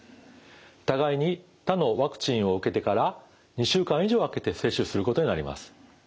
互いに他のワクチンを受けてから２週間以上あけて接種することになります。